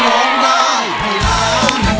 ร้องได้ให้ล้าน